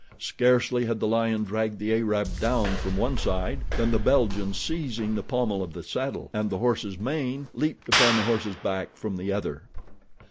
Scarcely had the lion dragged the Arab down from one side, than the Belgian, seizing the pommel of the saddle and the horse's mane, leaped upon the horse's back from the other.